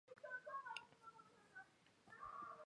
目前在全世界范围内都有养殖。